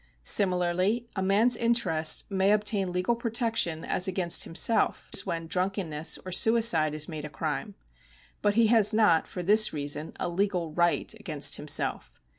Similarly a man's interests may obtain legal protection as against himself, as when drvmkenness or suicide is made a crime. But he has not for this reason a legal right against himself.